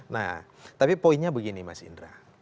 nah tapi poinnya begini mas indra